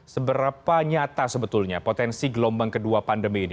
seberapa nyata sebetulnya potensi gelombang kedua pandemi ini